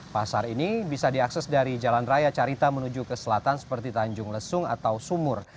pasar ini bisa diakses dari jalan raya carita menuju ke selatan seperti tanjung lesung atau sumur